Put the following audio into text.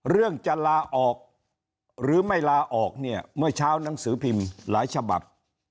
จะลาออกหรือไม่ลาออกเนี่ยเมื่อเช้าหนังสือพิมพ์หลายฉบับ